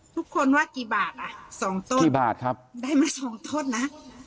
ทุกคนว่ากี่บาทสองต้นได้มาสองต้นนะ